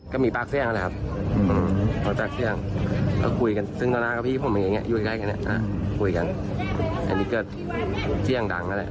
ก็มีปากเสรี้ยงอันแหละครับมันจากเสรี้ยง